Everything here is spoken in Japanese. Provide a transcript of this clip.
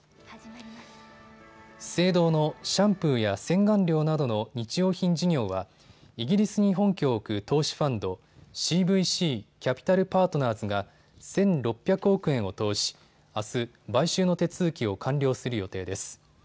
資生堂のシャンプーや洗顔料などの日用品事業はイギリスに本拠を置く投資ファンド、ＣＶＣキャピタル・パートナーズが１６００億円を投じあす買収の手続きを完了する予定です。